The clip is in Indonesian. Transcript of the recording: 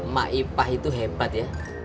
mak ipah itu hebat ya